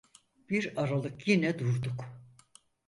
Bir aralık yine durduk.